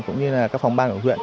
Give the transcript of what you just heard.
cũng như là các phòng ban của huyện